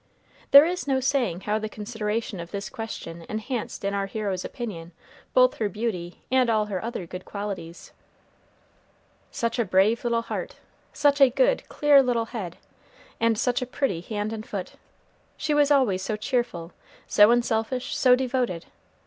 There is no saying how the consideration of this question enhanced in our hero's opinion both her beauty and all her other good qualities. Such a brave little heart! such a good, clear little head! and such a pretty hand and foot! She was always so cheerful, so unselfish, so devoted!